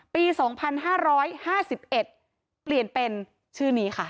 ปี๒๕๕๑เปลี่ยนเป็นชื่อนี้ค่ะ